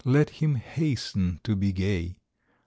Let him hasten to be gay.